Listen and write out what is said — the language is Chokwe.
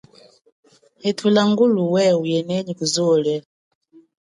Hithula ngulu weye uye nenyi kuzuo lie.